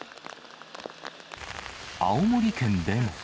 青森県でも。